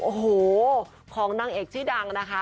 โอ้โหของนางเอกชื่อดังนะคะ